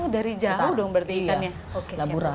dari jauh dong berarti ikannya